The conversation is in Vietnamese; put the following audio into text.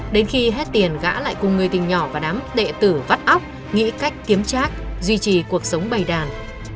đến khi hết tiền gã lại cùng người tình nhỏ và đám đệ tử vắt óc nghĩ cách kiếm trác duy trì cuộc sống bày đàn